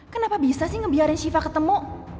kenapa bisa sih ngebiarin syifa ketemu